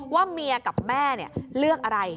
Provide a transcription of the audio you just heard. ว่าเมียกับแม่เลือกอะไร